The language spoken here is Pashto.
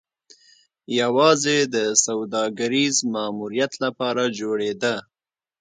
یوازې د سوداګریز ماموریت لپاره جوړېده.